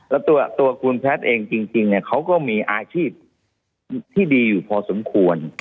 แล้วตัวคุณแพทย์เองจริงเขาก็มีอาชีพที่ดีอยู่พอสมควร